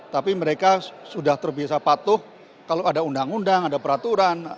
tapi mereka sudah terbiasa patuh kalau ada undang undang ada peraturan